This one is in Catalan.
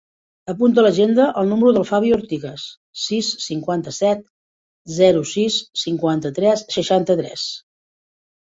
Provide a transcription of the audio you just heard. Apunta a l'agenda el número del Fabio Artigues: sis, cinquanta-set, zero, sis, cinquanta-tres, seixanta-tres.